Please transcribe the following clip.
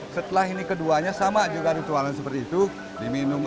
setelah ini keduanya sama juga ritualnya seperti itu diminum